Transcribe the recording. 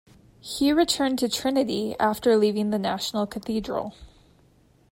He returned to Trinity after leaving the National Cathedral.